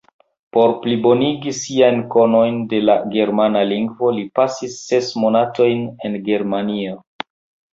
Por plibonigi siajn konojn de la germana lingvo li pasis ses monatojn en Germanio.